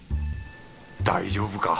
大丈夫か？